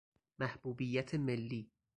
محبوبیت ملی